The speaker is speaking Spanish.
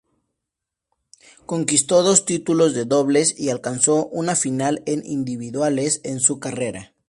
Conquistó dos títulos de dobles y alcanzó una final en individuales en su carrera.